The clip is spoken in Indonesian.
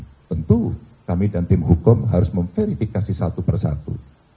tentu kami dan tim hukum harus memverifikasi satu persatu